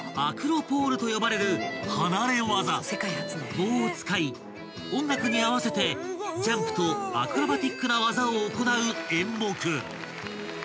［棒を使い音楽に合わせてジャンプとアクロバティックな技を行う演目］